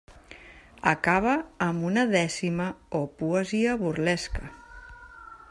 Acaba amb una dècima o poesia burlesca.